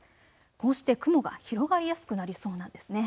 こうして雲が広がりやすくなりそうなんです。